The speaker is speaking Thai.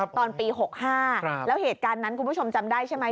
ตอนปี๖๕แล้วเหตุการณ์นั้นคุณผู้ชมจำได้ใช่ไหม